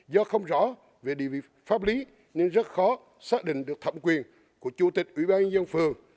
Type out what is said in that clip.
do không rõ về địa vị pháp lý nên rất khó xác định được thẩm quyền của chủ tịch ủy ban nhân dân phường